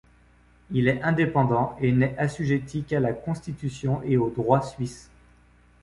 Il est indépendant et n'est assujetti qu'à la constitution et au droit suisse.